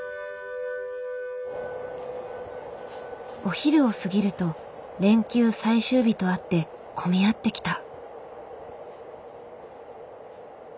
お昼を過ぎると連休最終日とあって混み合ってきた。